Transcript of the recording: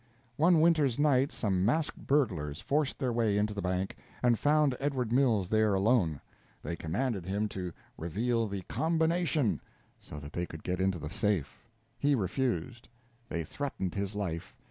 One winter's night some masked burglars forced their way into the bank, and found Edward Mills there alone. They commanded him to reveal the "combination," so that they could get into the safe. He refused. They threatened his life.